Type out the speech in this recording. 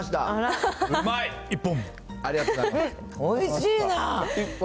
おいしいな。